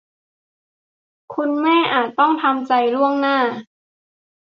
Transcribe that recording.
คุณแม่อาจต้องทำใจล่วงหน้า